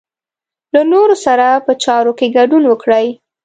له نورو سره په چارو کې ګډون وکړئ.